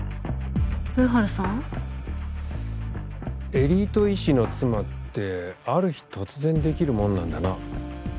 エリート医師の妻ってある日突然できるもんなんだな。